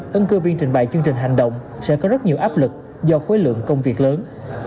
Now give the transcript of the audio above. ấn cơ viên trình bày chương trình hành động sẽ có rất nhiều áp lực do khối lượng công việc lớn